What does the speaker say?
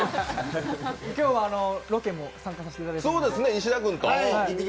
今日はロケも参加させていただいて。